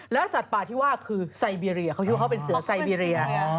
แล้วสัตว์ป่าที่ว่าคือไซเบียเขาอยู่เขาเป็นเสือไซเบีย